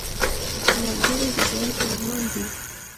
ملګری د ژوند ارمان دی